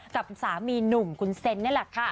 กับสามีหนุ่มคุณเซนนี่แหละค่ะ